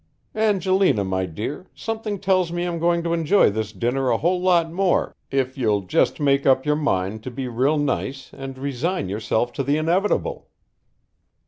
Angelina, my dear, something tells me I'm going to enjoy this dinner a whole lot more if you'll just make up your mind to be real nice and resign yourself to the inevitable."